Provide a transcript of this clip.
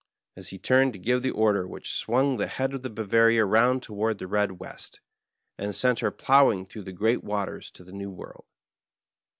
" as he turned to give the order which swung the head of the BavaHa round toward the red west, and sent her plowing through the great waters to the New World.